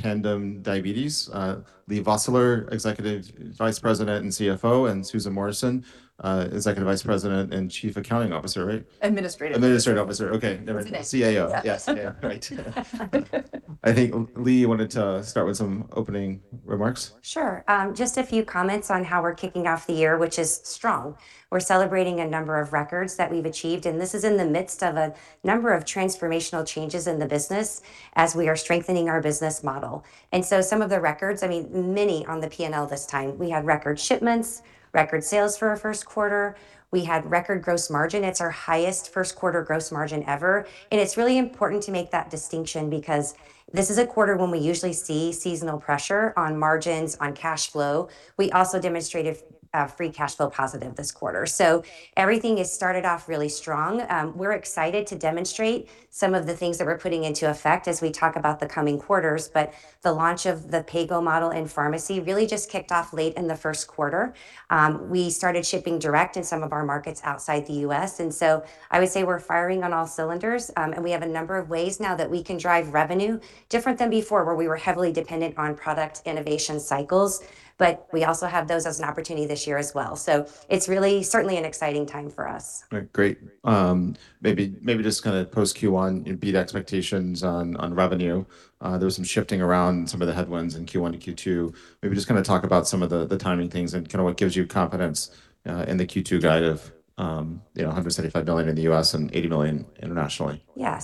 Tandem Diabetes, Leigh Vosseller, Executive Vice President and CFO, and Susan Morrison, Executive Vice President and Chief Accounting Officer, right? Administrative Officer. Administrative Officer. Okay. That's okay. CAO. Yeah. Yes, CAO. Right. I think Leigh wanted to start with some opening remarks. Sure. Just a few comments on how we're kicking off the year, which is strong. We're celebrating a number of records that we've achieved, and this is in the midst of a number of transformational changes in the business as we are strengthening our business model. Some of the records, I mean many on the P&L this time. We have record shipments, record sales for our first quarter. We had record gross margin. It's our highest first quarter gross margin ever, and it's really important to make that distinction because this is a quarter when we usually see seasonal pressure on margins, on cash flow. We also demonstrated free cash flow positive this quarter. Everything has started off really strong. We're excited to demonstrate some of the things that we're putting into effect as we talk about the coming quarters. The launch of the PayGo model in pharmacy really just kicked off late in the first quarter. We started shipping direct in some of our markets outside the U.S., I would say we're firing on all cylinders. We have a number of ways now that we can drive revenue different than before, where we were heavily dependent on product innovation cycles, but we also have those as an opportunity this year as well. It's really certainly an exciting time for us. All right. Great. maybe just kinda post Q1, you beat expectations on revenue. there was some shifting around some of the headwinds in Q1 to Q2. Maybe just kinda talk about some of the timing things and kinda what gives you confidence, in the Q2 guide of, you know, $175 million in the U.S. and $80 million internationally. Yeah.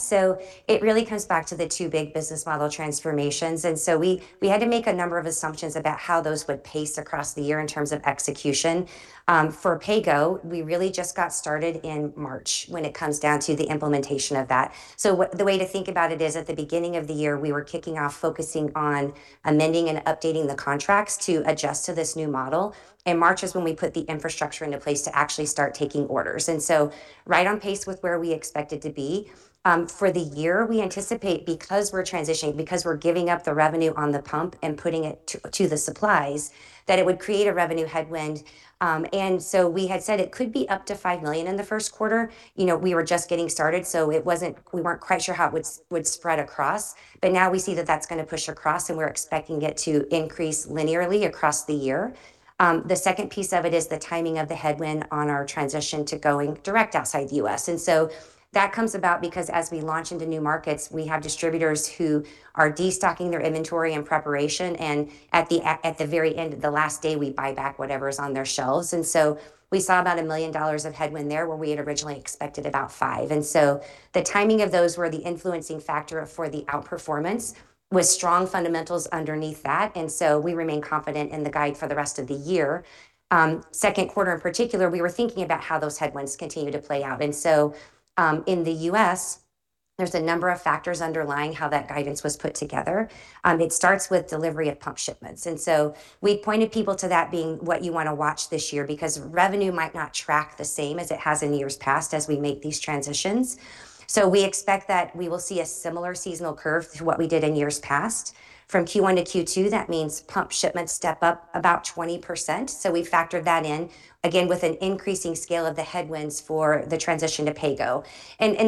It really comes back to the two big business model transformations, we had to make a number of assumptions about how those would pace across the year in terms of execution. For PayGo, we really just got started in March when it comes down to the implementation of that. The way to think about it is at the beginning of the year, we were kicking off focusing on amending and updating the contracts to adjust to this new model, March is when we put the infrastructure into place to actually start taking orders, right on pace with where we expected to be. For the year, we anticipate because we're transitioning, because we're giving up the revenue on the pump and putting it to the supplies, that it would create a revenue headwind. We had said it could be up to $5 million in the first quarter. You know, we were just getting started, so we weren't quite sure how it would spread across. Now we see that that's gonna push across, and we're expecting it to increase linearly across the year. The second piece of it is the timing of the headwind on our transition to going direct outside the U.S., that comes about because as we launch into new markets, we have distributors who are de-stocking their inventory in preparation, and at the very end, the last day, we buy back whatever's on their shelves. We saw about $1 million of headwind there, where we had originally expected about $5 million. The timing of those were the influencing factor for the outperformance, with strong fundamentals underneath that. We remain confident in the guide for the rest of the year. Second quarter in particular, we were thinking about how those headwinds continue to play out. In the U.S., there's a number of factors underlying how that guidance was put together. It starts with delivery of pump shipments, and so we pointed people to that being what you wanna watch this year because revenue might not track the same as it has in years past as we make these transitions. We expect that we will see a similar seasonal curve to what we did in years past. From Q1 to Q2, that means pump shipments step up about 20%, so we factored that in, again, with an increasing scale of the headwinds for the transition to PayGo.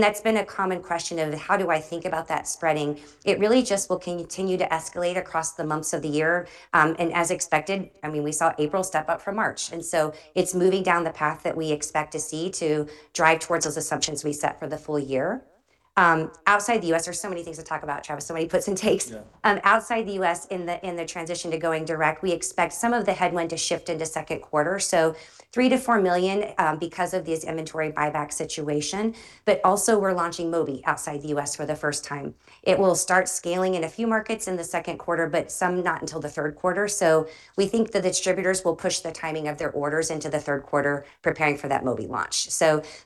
That's been a common question of how do I think about that spreading. It really just will continue to escalate across the months of the year, and as expected, I mean, we saw April step up from March. It's moving down the path that we expect to see to drive towards those assumptions we set for the full year. Outside the U.S., there's so many things to talk about, Travis, so many puts and takes. Yeah. Outside the U.S. in the, in the transition to going direct, we expect some of the headwind to shift into second quarter, so $3 million-$4 million, because of this inventory buyback situation. Also we're launching Mobi outside the U.S. for the first time. It will start scaling in a few markets in the second quarter, but some not until the third quarter. We think that the distributors will push the timing of their orders into the third quarter, preparing for that Mobi launch.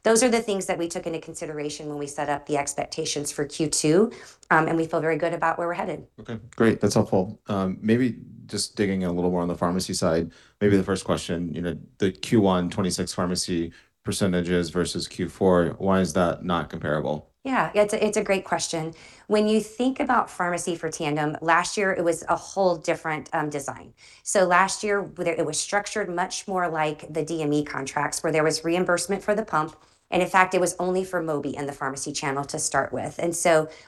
Those are the things that we took into consideration when we set up the expectations for Q2, and we feel very good about where we're headed. Okay. Great. That's helpful. Maybe just digging a little more on the pharmacy side, maybe the first question, you know, the Q1 2026 pharmacy percentages versus Q4, why is that not comparable? It's a great question. When you think about pharmacy for Tandem, last year it was a whole different design. Last year, whether it was structured much more like the DME contracts, where there was reimbursement for the pump, and in fact, it was only for Mobi in the pharmacy channel to start with.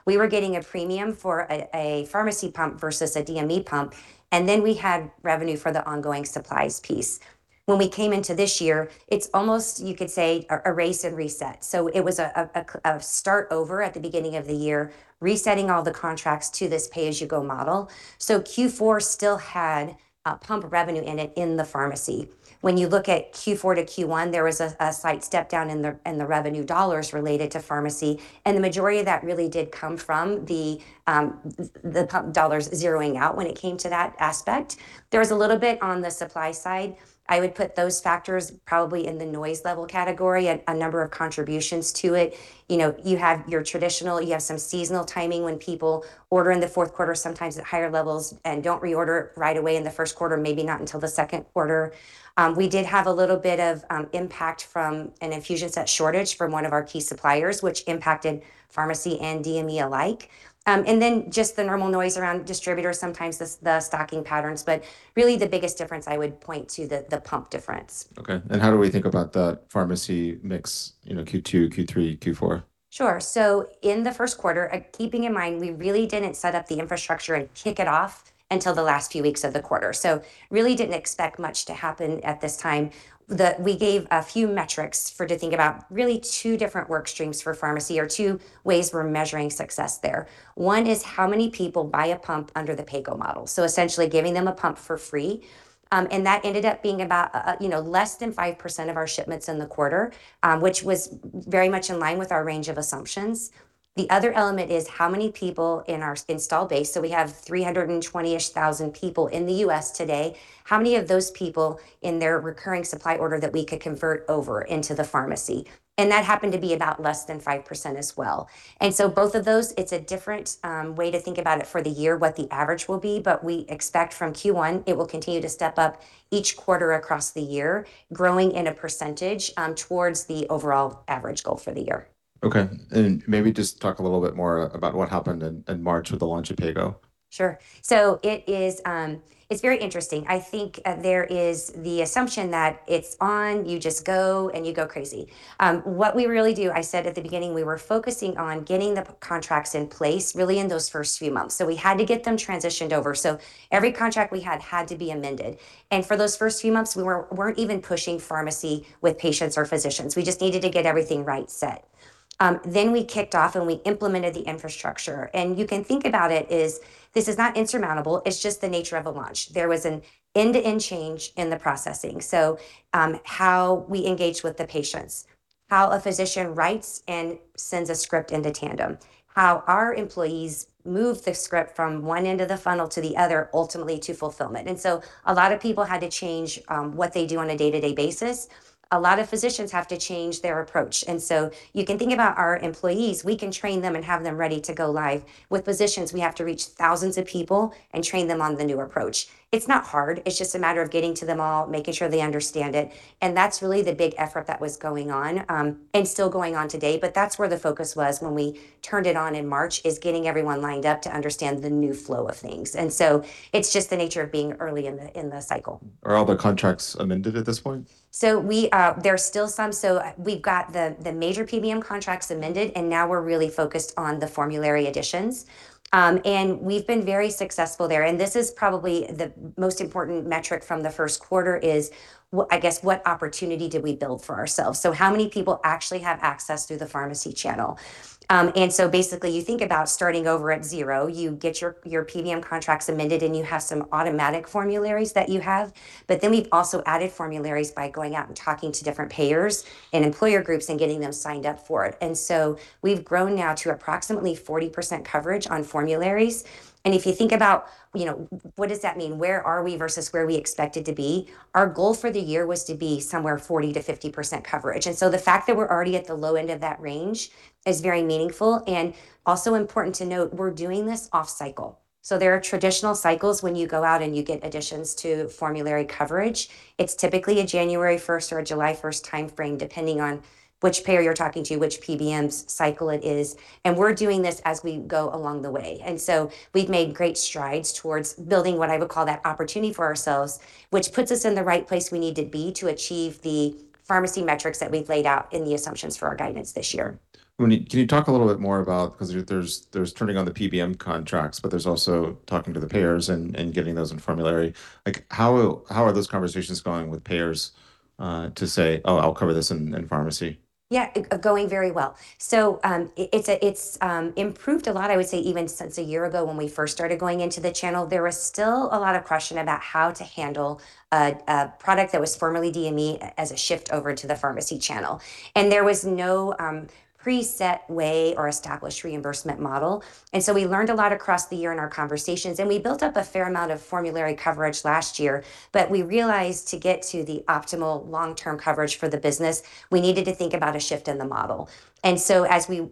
We were getting a premium for a pharmacy pump versus a DME pump, and then we had revenue for the ongoing supplies piece. When we came into this year, it's almost, you could say, a erase and reset. It was a start over at the beginning of the year, resetting all the contracts to this pay as you go model. Q4 still had pump revenue in it in the pharmacy. When you look at Q4 to Q1, there was a slight step down in the revenue dollars related to pharmacy. The majority of that really did come from the pump dollars zeroing out when it came to that aspect. There was a little bit on the supply side. I would put those factors probably in the noise level category and a number of contributions to it. You know, you have your traditional, you have some seasonal timing when people order in the fourth quarter, sometimes at higher levels. Don't reorder right away in the first quarter, maybe not until the second quarter. We did have a little bit of impact from an infusion set shortage from one of our key suppliers, which impacted pharmacy and DME alike. Just the normal noise around distributors, sometimes the stocking patterns. Really the biggest difference I would point to the pump difference. Okay. How do we think about the pharmacy mix, you know, Q2, Q3, Q4? Sure. In the first quarter, keeping in mind we really didn't set up the infrastructure and kick it off until the last few weeks of the quarter. Really didn't expect much to happen at this time. We gave a few metrics for to think about really two different work streams for pharmacy or two ways we're measuring success there. One is how many people buy a pump under the PayGo model. Essentially giving them a pump for free. That ended up being about, you know, less than 5% of our shipments in the quarter, which was very much in line with our range of assumptions. The other element is how many people in our install base, so we have 320-ish thousand people in the U.S. today, how many of those people in their recurring supply order that we could convert over into the pharmacy. That happened to be about less than 5% as well. Both of those, it's a different way to think about it for the year, what the average will be. We expect from Q1 it will continue to step up each quarter across the year, growing in a percentage towards the overall average goal for the year. Okay. Maybe just talk a little bit more about what happened in March with the launch of PayGo. Sure. It's very interesting. I think, there is the assumption that it's on, you just go, and you go crazy. What we really do, I said at the beginning, we were focusing on getting the contracts in place really in those first few months. We had to get them transitioned over. Every contract we had had to be amended. For those first few months, we weren't even pushing pharmacy with patients or physicians. We just needed to get everything right set. We kicked off and we implemented the infrastructure. You can think about it is this is not insurmountable, it's just the nature of a launch. There was an end-to-end change in the processing, so, how we engage with the patients, how a physician writes and sends a script into Tandem, how our employees move the script from one end of the funnel to the other, ultimately to fulfillment. A lot of people had to change what they do on a day-to-day basis. A lot of physicians have to change their approach. You can think about our employees. We can train them and have them ready to go live. With physicians, we have to reach thousands of people and train them on the new approach. It's not hard, it's just a matter of getting to them all, making sure they understand it, and that's really the big effort that was going on and still going on today. That's where the focus was when we turned it on in March, is getting everyone lined up to understand the new flow of things. It's just the nature of being early in the, in the cycle. Are all the contracts amended at this point? There are still some. We've got the major PBM contracts amended. Now we're really focused on the formulary additions. We've been very successful there. This is probably the most important metric from the first quarter, is what, I guess, what opportunity did we build for ourselves? How many people actually have access through the pharmacy channel? Basically you think about starting over at zero. You get your PBM contracts amended. You have some automatic formularies that you have. We've also added formularies by going out and talking to different payers and employer groups and getting them signed up for it. We've grown now to approximately 40% coverage on formularies. If you think about, you know, what does that mean? Where are we versus where we expected to be? Our goal for the year was to be somewhere 40%-50% coverage. The fact that we're already at the low end of that range is very meaningful. Also important to note, we're doing this off cycle. There are traditional cycles when you go out and you get additions to formulary coverage. It's typically a January 1st or a July 1st timeframe, depending on which payer you're talking to, which PBM's cycle it is, and we're doing this as we go along the way. We've made great strides towards building what I would call that opportunity for ourselves, which puts us in the right place we need to be to achieve the pharmacy metrics that we've laid out in the assumptions for our guidance this year. Can you talk a little bit more about Because there's turning on the PBM contracts, there's also talking to the payers and getting those in formulary. Like, how are those conversations going with payers to say, "Oh, I'll cover this in pharmacy"? Yeah. Going very well. It's improved a lot I would say even since one year ago when we first started going into the channel. There was still a lot of question about how to handle a product that was formerly DME as a shift over to the pharmacy channel. There was no preset way or established reimbursement model. We learned a lot across the year in our conversations, and we built up a fair amount of formulary coverage last year. We realized to get to the optimal long-term coverage for the business, we needed to think about a shift in the model. As we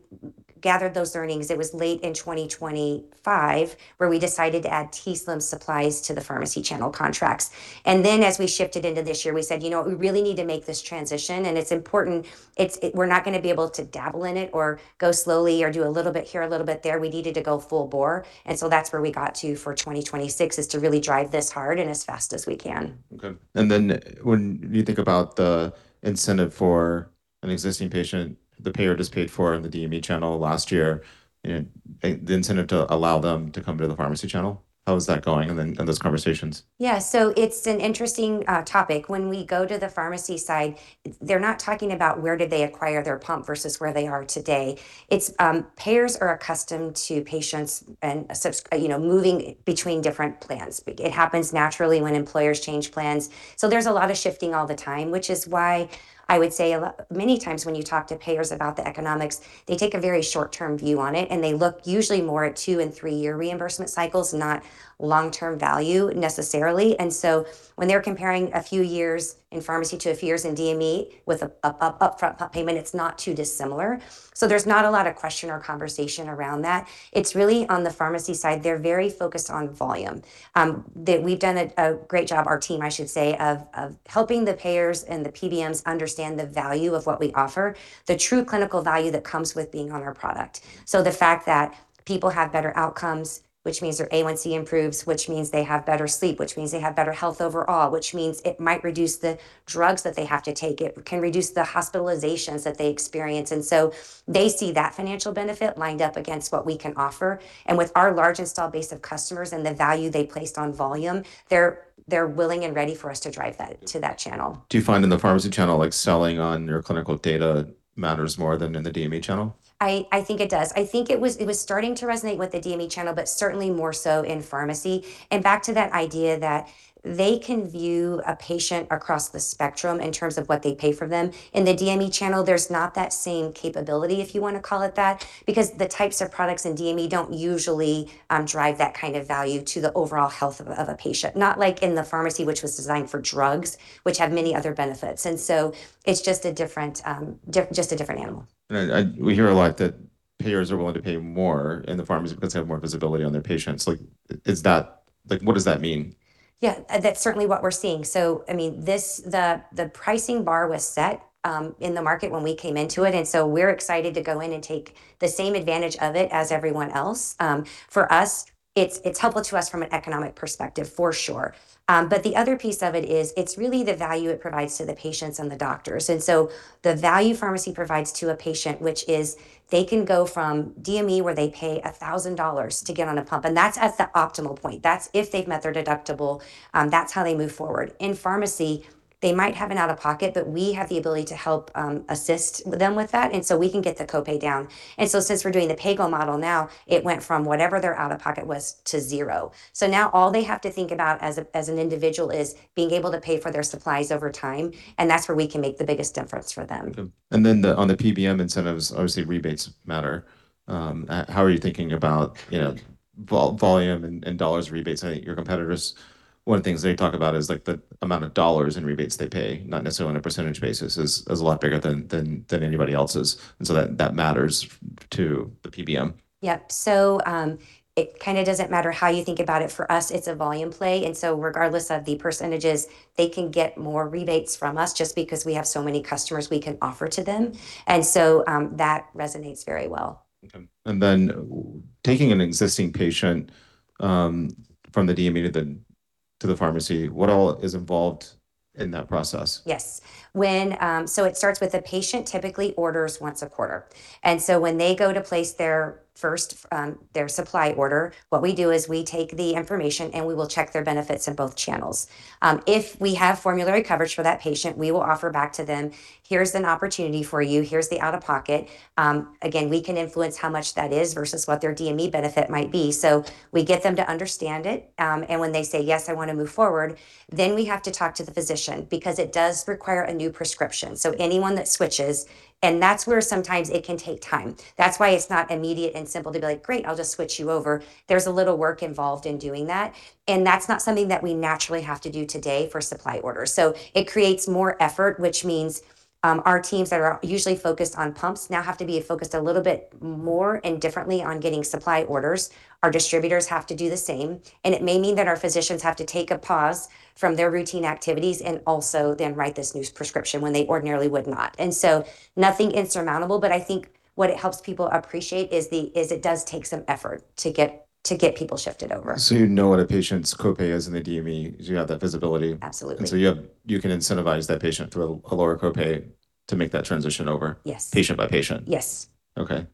gathered those learnings, it was late in 2025 where we decided to add t:slim supplies to the pharmacy channel contracts. Then as we shifted into this year, we said, You know what, we really need to make this transition, and it's important. We're not gonna be able to dabble in it or go slowly or do a little bit here, a little bit there. We needed to go full bore. So that's where we got to for 2026, is to really drive this hard and as fast as we can. Okay. When you think about the incentive for an existing patient the payer just paid for in the DME channel last year and the incentive to allow them to come to the pharmacy channel, how is that going in those conversations? Yeah. It's an interesting topic. When we go to the pharmacy side, they're not talking about where did they acquire their pump versus where they are today. It's payers are accustomed to patients and you know, moving between different plans. It happens naturally when employers change plans, there's a lot of shifting all the time, which is why I would say a lot, many times when you talk to payers about the economics, they take a very short-term view on it, they look usually more at two and three-year reimbursement cycles, not long-term value necessarily. When they're comparing a few years in pharmacy to a few years in DME with a upfront payment, it's not too dissimilar. There's not a lot of question or conversation around that. It's really on the pharmacy side, they're very focused on volume. We've done a great job, our team I should say, of helping the payers and the PBMs understand the value of what we offer, the true clinical value that comes with being on our product. The fact that people have better outcomes, which means their A1C improves, which means they have better sleep, which means they have better health overall, which means it might reduce the drugs that they have to take. It can reduce the hospitalizations that they experience. They see that financial benefit lined up against what we can offer. With our large install base of customers and the value they placed on volume, they're willing and ready for us to drive that to that channel. Do you find in the pharmacy channel, like, selling on your clinical data matters more than in the DME channel? I think it does. I think it was starting to resonate with the DME channel, but certainly more so in pharmacy. Back to that idea that they can view a patient across the spectrum in terms of what they pay for them. In the DME channel, there's not that same capability, if you wanna call it that. Because the types of products in DME don't usually drive that kind of value to the overall health of a patient. Not like in the pharmacy which was designed for drugs, which have many other benefits. It's just a different just a different animal. We hear a lot that payers are willing to pay more and the pharmacy gets to have more visibility on their patients. Like, what does that mean? Yeah. That's certainly what we're seeing. I mean, this, the pricing bar was set in the market when we came into it, we're excited to go in and take the same advantage of it as everyone else. For us, it's helpful to us from an economic perspective, for sure. The other piece of it is, it's really the value it provides to the patients and the doctors. The value pharmacy provides to a patient, which is they can go from DME, where they pay $1,000 to get on a pump, and that's at the optimal point. That's if they've met their deductible, that's how they move forward. In pharmacy they might have an out-of-pocket, but we have the ability to help assist with them with that, we can get the copay down. Since we're doing the PayGo model now, it went from whatever their out-of-pocket was to 0. Now all they have to think about as an individual is being able to pay for their supplies over time, and that's where we can make the biggest difference for them. Okay. On the PBM incentives, obviously rebates matter. How are you thinking about, you know, volume and dollars rebates? I know your competitors, one of the things they talk about is, like, the amount of dollars in rebates they pay, not necessarily on a % basis, is a lot bigger than anybody else's, so that matters to the PBM. Yep. It kinda doesn't matter how you think about it. For us, it's a volume play, regardless of the percentages, they can get more rebates from us just because we have so many customers we can offer to them. That resonates very well. Okay. Taking an existing patient from the DME to the pharmacy, what all is involved in that process? Yes. When it starts with a patient typically orders once a quarter. When they go to place their 1st, their supply order, what we do is we take the information, and we will check their benefits in both channels. If we have formulary coverage for that patient, we will offer back to them, "Here's an opportunity for you. Here's the out-of-pocket." Again, we can influence how much that is versus what their DME benefit might be. We get them to understand it. When they say, "Yes, I want to move forward," we have to talk to the physician because it does require a new prescription. Anyone that switches, and that's where sometimes it can take time. That's why it's not immediate and simple to be like, "Great, I'll just switch you over." There's a little work involved in doing that, and that's not something that we naturally have to do today for supply orders. It creates more effort, which means our teams that are usually focused on pumps now have to be focused a little bit more and differently on getting supply orders. Our distributors have to do the same. It may mean that our physicians have to take a pause from their routine activities and also then write this new prescription when they ordinarily would not. Nothing insurmountable, but I think what it helps people appreciate is it does take some effort to get people shifted over. You know what a patient's copay is in the DME 'cause you have that visibility? Absolutely. You can incentivize that patient through a lower copay to make that transition over? Yes Patient by patient? Yes. Okay.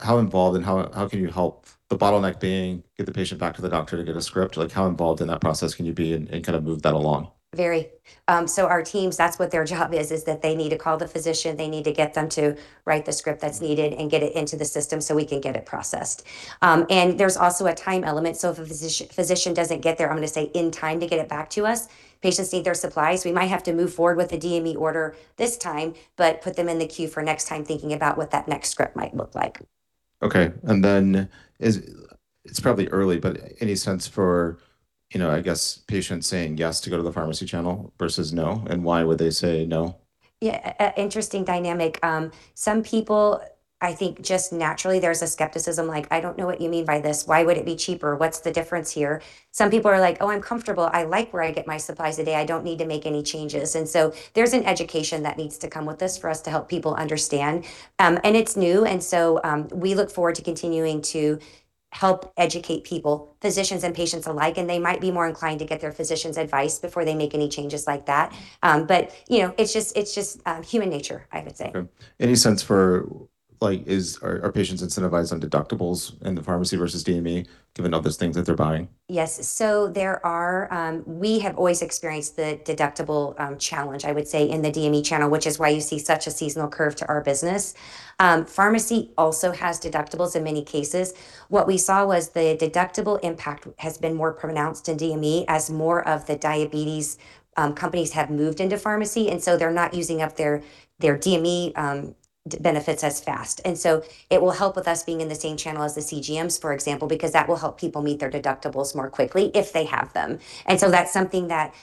How involved and how can you help the bottleneck being get the patient back to the doctor to get a script? Like, how involved in that process can you be and kind of move that along? Very. Our teams, that's what their job is that they need to call the physician. They need to get them to write the script that's needed and get it into the system so we can get it processed. There's also a time element, so if a physician doesn't get their, I'm gonna say, in time to get it back to us, patients need their supplies, we might have to move forward with a DME order this time but put them in the queue for next time, thinking about what that next script might look like. Okay. It's probably early, but any sense for, you know, I guess, patients saying yes to go to the pharmacy channel versus no, and why would they say no? Yeah. A interesting dynamic. Some people, I think, just naturally there's a skepticism like, "I don't know what you mean by this. Why would it be cheaper? What's the difference here?" Some people are like, "Oh, I'm comfortable. I like where I get my supplies today. I don't need to make any changes." There's an education that needs to come with this for us to help people understand. It's new, and so, we look forward to continuing to help educate people, physicians and patients alike, and they might be more inclined to get their physician's advice before they make any changes like that. You know, it's just human nature, I would say. Okay. Any sense for, like, Are patients incentivized on deductibles in the pharmacy versus DME given all those things that they're buying? Yes. There are, we have always experienced the deductible challenge, I would say, in the DME channel, which is why you see such a seasonal curve to our business. Pharmacy also has deductibles in many cases. What we saw was the deductible impact has been more pronounced in DME as more of the diabetes companies have moved into pharmacy, they're not using up their DME benefits as fast. It will help with us being in the same channel as the CGMs, for example, because that will help people meet their deductibles more quickly if they have them. That's something that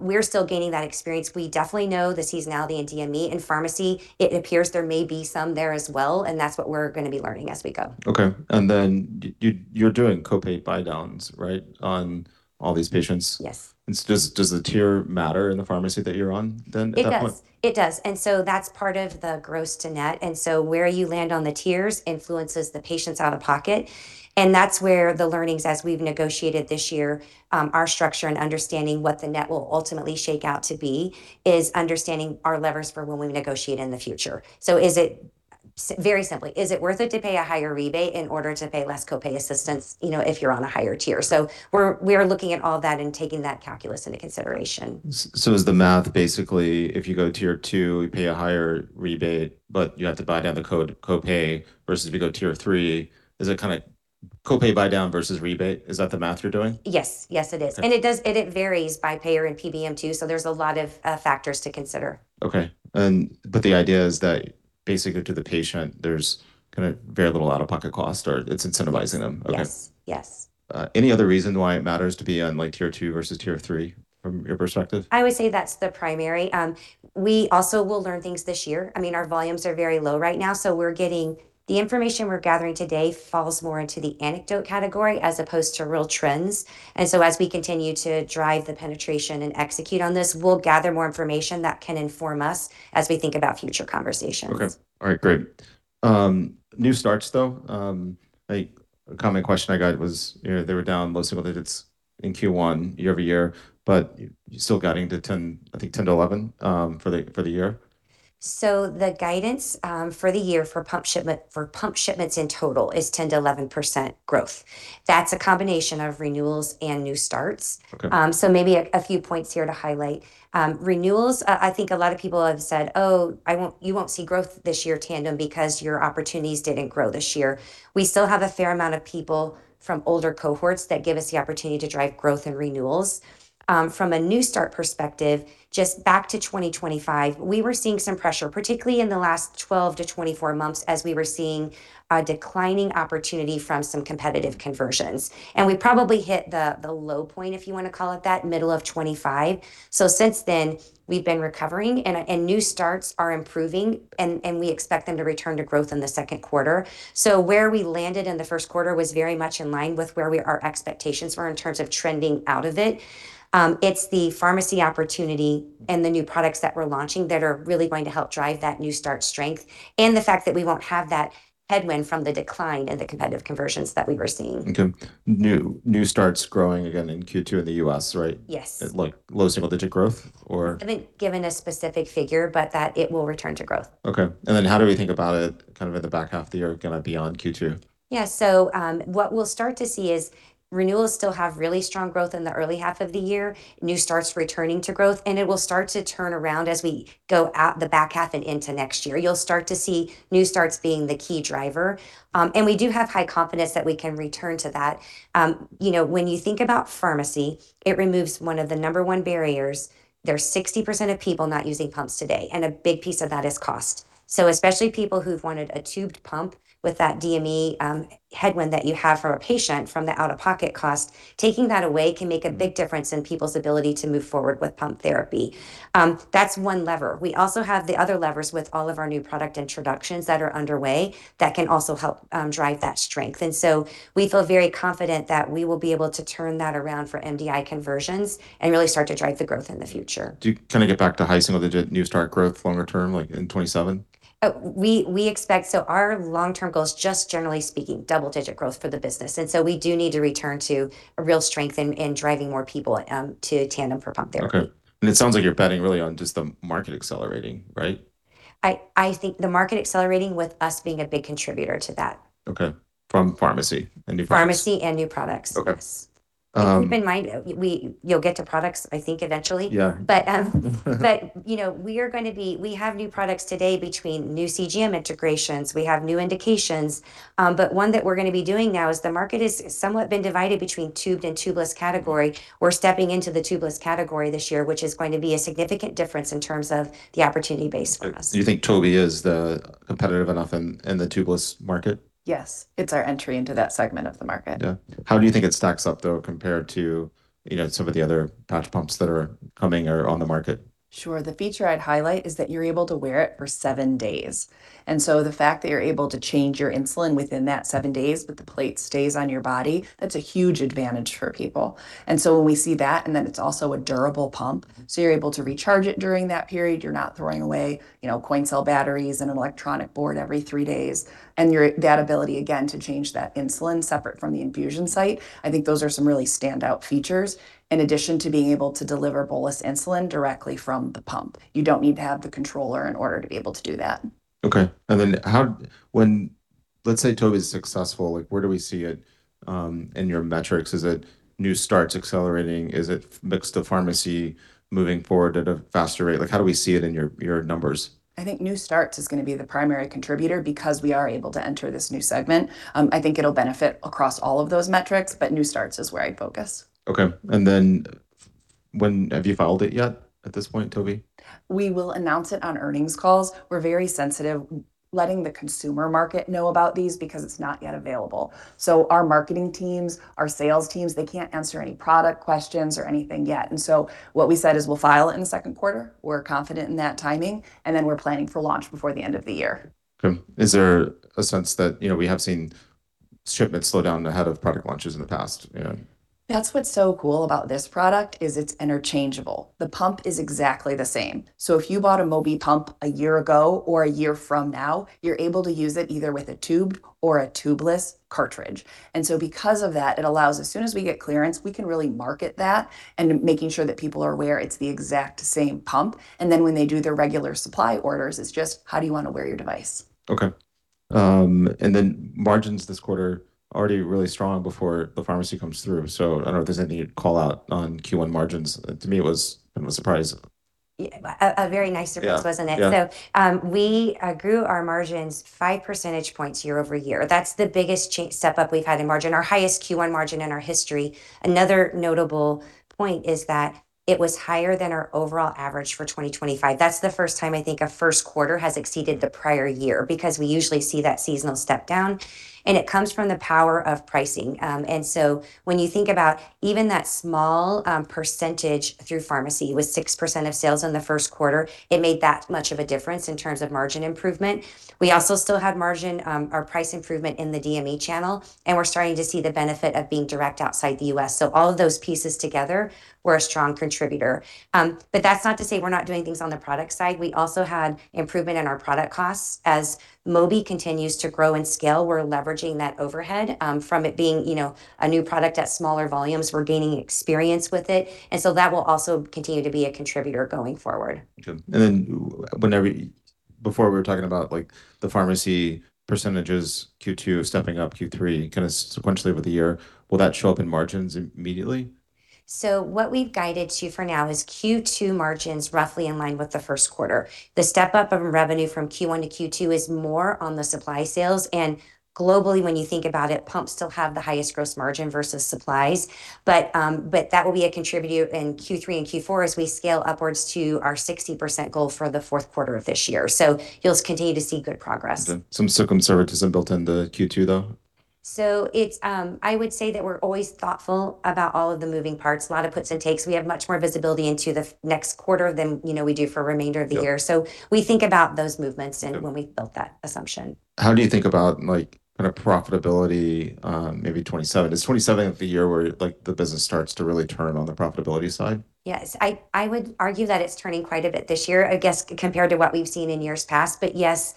we're still gaining that experience. We definitely know the seasonality in DME. In pharmacy, it appears there may be some there as well, and that's what we're gonna be learning as we go. Okay. You're doing copay buydowns, right, on all these patients? Yes. Does the tier matter in the pharmacy that you're on then at that point? It does. It does. That's part of the gross to net. Where you land on the tiers influences the patient's out-of-pocket, and that's where the learnings as we've negotiated this year, our structure and understanding what the net will ultimately shake out to be, is understanding our levers for when we negotiate in the future. Is it very simply, is it worth it to pay a higher rebate in order to pay less copay assistance, you know, if you're on a higher tier? We are looking at all that and taking that calculus into consideration. Is the math basically if you go tier 2, you pay a higher rebate, but you have to buydown the copay, versus if you go tier 3. Is it kinda copay buydown versus rebate? Is that the math you're doing? Yes. Yes, it is. Okay. It does, and it varies by payer and PBM too, so there's a lot of factors to consider. Okay. The idea is Basically to the patient, there's kinda very little out-of-pocket cost or it's incentivizing them. Yes, yes. Okay. Any other reason why it matters to be on, like, tier 2 versus tier 3 from your perspective? I would say that's the primary. We also will learn things this year. I mean, our volumes are very low right now, the information we're gathering today falls more into the anecdote category as opposed to real trends. As we continue to drive the penetration and execute on this, we'll gather more information that can inform us as we think about future conversations. Okay. All right, great. New starts, though, a common question I got was, you know, they were down low single digits in Q1 year-over-year, but you're still guiding to 10, I think 10-11 for the year. The guidance for the year for pump shipments in total is 10%-11% growth. That's a combination of renewals and new starts. Okay. So maybe a few points here to highlight. Renewals, I think a lot of people have said, "Oh, I won't, you won't see growth this year, Tandem, because your opportunities didn't grow this year." We still have a fair amount of people from older cohorts that give us the opportunity to drive growth and renewals. From a new start perspective, just back to 2025, we were seeing some pressure, particularly in the last 12 to 24 months, as we were seeing a declining opportunity from some competitive conversions. We probably hit the low point, if you want to call it that, middle of 2025. Since then, we've been recovering and new starts are improving and we expect them to return to growth in the second quarter. Where we landed in the first quarter was very much in line with where our expectations were in terms of trending out of it. It's the pharmacy opportunity and the new products that we're launching that are really going to help drive that new start strength and the fact that we won't have that headwind from the decline in the competitive conversions that we were seeing. Okay. New starts growing again in Q2 in the U.S., right? Yes. At, like, low single-digit growth or? I haven't given a specific figure, but that it will return to growth. Okay. How do we think about it kind of in the back half of the year, kind of beyond Q2? What we'll start to see is renewals still have really strong growth in the early half of the year, new starts returning to growth, and it will start to turn around as we go out the back half and into next year. You'll start to see new starts being the key driver. We do have high confidence that we can return to that. You know, when you think about pharmacy, it removes one of the number one barriers. There's 60% of people not using pumps today, and a big piece of that is cost. Especially people who've wanted a tubed pump with that DME headwind that you have for a patient from the out-of-pocket cost, taking that away can make a big difference in people's ability to move forward with pump therapy. That's one lever. We also have the other levers with all of our new product introductions that are underway that can also help drive that strength. We feel very confident that we will be able to turn that around for MDI conversions and really start to drive the growth in the future. Do you kind of get back to high single-digit new start growth longer term, like in 2027? Our long-term goal is just generally speaking, double-digit growth for the business, and so we do need to return to a real strength in driving more people to Tandem for pump therapy. Okay. It sounds like you're betting really on just the market accelerating, right? I think the market accelerating with us being a big contributor to that. Okay. From pharmacy and new products? Pharmacy and new products. Okay. Keep in mind, you'll get to products, I think, eventually. Yeah. you know, We have new products today between new CGM integrations. We have new indications. One that we're gonna be doing now is the market is somewhat been divided between tubed and tubeless category. We're stepping into the tubeless category this year, which is going to be a significant difference in terms of the opportunity base for us. Do you think Mobi is competitive enough in the tubeless market? Yes. It's our entry into that segment of the market. Yeah. How do you think it stacks up though, compared to, you know, some of the other patch pumps that are coming or are on the market? Sure. The feature I'd highlight is that you're able to wear it for seven days, the fact that you're able to change your insulin within that seven days but the plate stays on your body, that's a huge advantage for people. When we see that, it's also a durable pump, you're able to recharge it during that period. You're not throwing away, you know, coin cell batteries and an electronic board every three days, that ability again to change that insulin separate from the infusion site. I think those are some really standout features in addition to being able to deliver bolus insulin directly from the pump. You don't need to have the controller in order to be able to do that. Okay. Let's say Mobi's successful, like, where do we see it in your metrics? Is it new starts accelerating? Is it mix the pharmacy moving forward at a faster rate? Like, how do we see it in your numbers? I think new starts is going to be the primary contributor because we are able to enter this new segment. I think it will benefit across all of those metrics, but new starts is where I would focus. Okay. Have you filed it yet at this point? We will announce it on earnings calls. We're very sensitive letting the consumer market know about these because it's not yet available. Our marketing teams, our sales teams, they can't answer any product questions or anything yet. What we said is we'll file it in the second quarter. We're confident in that timing, and then we're planning for launch before the end of the year. Okay. Is there a sense that, you know, we have seen shipments slow down ahead of product launches in the past? Yeah. That's what's so cool about this product is it's interchangeable. The pump is exactly the same. If you bought a Mobi pump a year ago or a year from now, you're able to use it either with a tubed or a tubeless cartridge. Because of that, it allows as soon as we get clearance, we can really market that and making sure that people are aware it's the exact same pump, and then when they do their regular supply orders, it's just, how do you want to wear your device? Okay. Margins this quarter already really strong before the pharmacy comes through. I don't know if there's anything you'd call out on Q1 margins. To me, it was a surprise. Yeah. A very nice surprise, wasn't it? Yeah, yeah. We grew our margins 5 percentage points year-over-year. That's the biggest step up we've had in margin. Our highest Q1 margin in our history. Another notable point is that it was higher than our overall average for 2025. That's the first time I think a first quarter has exceeded the prior year, because we usually see that seasonal step down, and it comes from the power of pricing. When you think about even that small percentage through pharmacy, with 6% of sales in the first quarter, it made that much of a difference in terms of margin improvement. We also still had margin, or price improvement in the DME channel, and we're starting to see the benefit of being direct outside the U.S. All of those pieces together were a strong contributor. That's not to say we're not doing things on the product side. We also had improvement in our product costs. As Mobi continues to grow in scale, we're leveraging that overhead from it being, you know, a new product at smaller volumes, we're gaining experience with it. That will also continue to be a contributor going forward. Okay. Whenever before we were talking about, like, the pharmacy percentages, Q2 stepping up, Q3, kind of sequentially over the year, will that show up in margins immediately? What we've guided to for now is Q2 margins roughly in line with the first quarter. The step up of revenue from Q1 to Q2 is more on the supply sales. Globally, when you think about it, pumps still have the highest gross margin versus supplies. That will be a contributor in Q3 and Q4 as we scale upwards to our 60% goal for the fourth quarter of this year. You'll continue to see good progress. Okay. Some circum conservatism built into Q2, though? I would say that we're always thoughtful about all of the moving parts. A lot of puts and takes. We have much more visibility into the next quarter than, you know, we do for remainder of the year. Yep. We think about those movements. Okay When we've built that assumption. How do you think about, like, kind of profitability, maybe 2027? Is 2027 the year where, like, the business starts to really turn on the profitability side? Yes. I would argue that it's turning quite a bit this year, I guess, compared to what we've seen in years past. Yes,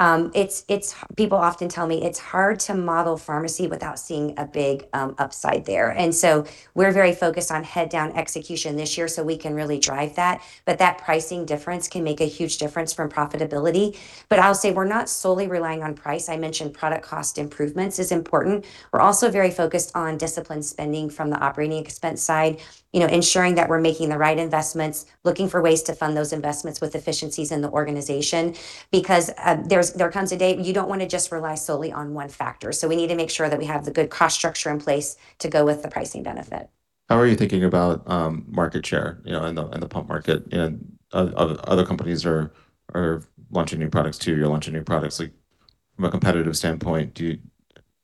it's People often tell me it's hard to model pharmacy without seeing a big upside there. So we're very focused on head down execution this year so we can really drive that, but that pricing difference can make a huge difference from profitability. I'll say we're not solely relying on price. I mentioned product cost improvements is important. We're also very focused on disciplined spending from the operating expense side, you know, ensuring that we're making the right investments, looking for ways to fund those investments with efficiencies in the organization because there comes a day you don't wanna just rely solely on one factor. We need to make sure that we have the good cost structure in place to go with the pricing benefit. How are you thinking about market share, you know, in the pump market? Other companies are launching new products too. You're launching new products. Like, from a competitive standpoint, do you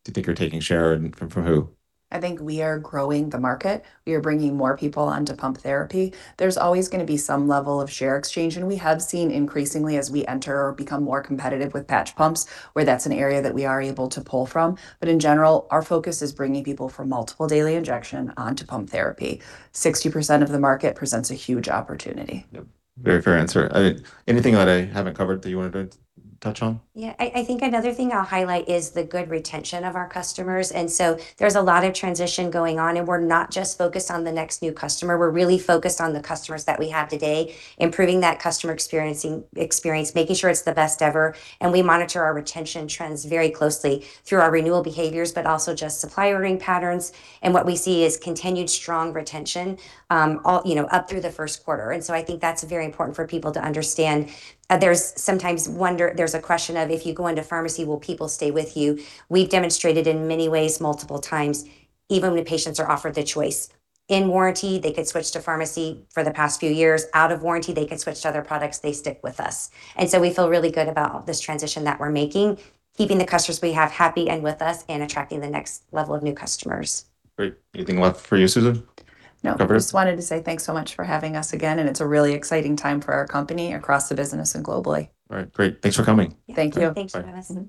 think you're taking share and from who? I think we are growing the market. We are bringing more people onto pump therapy. There's always gonna be some level of share exchange, and we have seen increasingly as we enter or become more competitive with patch pumps, where that's an area that we are able to pull from. In general, our focus is bringing people from multiple daily injection onto pump therapy. 60% of the market presents a huge opportunity. Yep. Very fair answer. Anything that I haven't covered that you wanted to touch on? Yeah. I think another thing I'll highlight is the good retention of our customers, there's a lot of transition going on, and we're not just focused on the next new customer. We're really focused on the customers that we have today, improving that customer experience, making sure it's the best ever, and we monitor our retention trends very closely through our renewal behaviors, but also just supply ordering patterns. What we see is continued strong retention, all, you know, up through the first quarter. I think that's very important for people to understand. There's sometimes wonder, there's a question of if you go into pharmacy, will people stay with you? We've demonstrated in many ways, multiple times, even when patients are offered the choice. In warranty, they could switch to pharmacy for the past few years. Out of warranty, they could switch to other products. They stick with us. We feel really good about this transition that we're making, keeping the customers we have happy and with us and attracting the next level of new customers. Great. Anything left for you, Susan? No. Covered? I just wanted to say thanks so much for having us again, and it's a really exciting time for our company across the business and globally. All right. Great. Thanks for coming. Thank you. Thanks for having us.